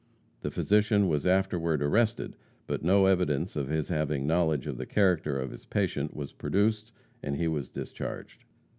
The physician was afterward arrested, but no evidence of his having knowledge of the character of his patient was produced, and he was discharged.